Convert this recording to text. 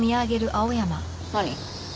何？